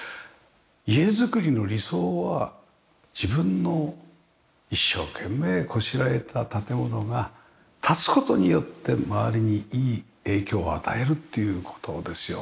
家造りの理想は自分の一生懸命こしらえた建物が建つ事によって周りにいい影響を与えるっていう事ですよね。